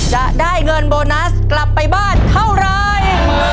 จะได้เงินโบนัสกลับไปบ้านเท่าไร